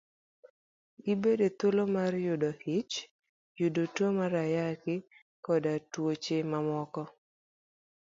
Gibedo e thuolo mar yudo ich, yudo tuo mar Ayaki, koda tuoche mamoko.